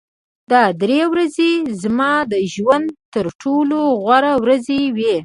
دا درې ورځې زما د ژوند تر ټولو غوره ورځې وې